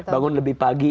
bangun lebih pagi